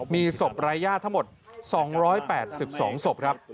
มีศพรายญาติทั้งหมด๒๘๒ศพครับ